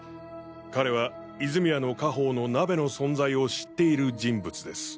彼は泉谷の家宝の鍋の存在を知っている人物です。